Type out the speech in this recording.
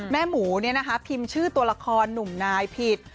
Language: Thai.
แม่หมูเนี่ยนะฮะพิมพ์ชื่อตัวละครหนุ่มนายผิด